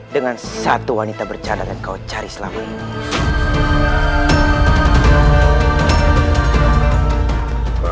dengan satu wanita bercadar yang kau cari selama ini